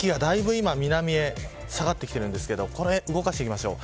今、南へ下がってきてるんですけど動かしていきましょう。